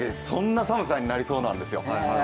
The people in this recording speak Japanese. そんな寒さになりそうなんですよ。